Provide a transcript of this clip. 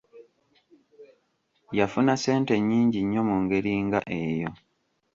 Yafuna ssente nyingi nnyo mu ngeri nga eyo.